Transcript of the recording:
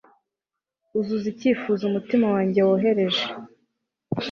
uzuza icyifuzo umutima wanjye wohereje